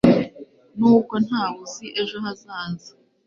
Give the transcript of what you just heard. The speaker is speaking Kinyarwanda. nubwo ntawe uzi ejo hazaza